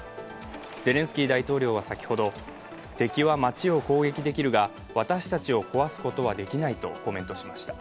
ゼレンスキー大統領は先ほど敵は町を攻撃できるが私たちを壊すことはできないとコメントしました。